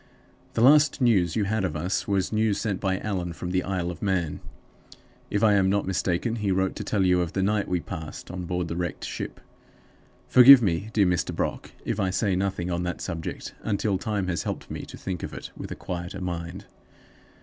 "The last news you had of us was news sent by Allan from the Isle of Man. If I am not mistaken, he wrote to tell you of the night we passed on board the wrecked ship. Forgive me, dear Mr. Brock, if I say nothing on that subject until time has helped me to think of it with a quieter mind.